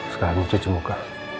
sekarang cuci muka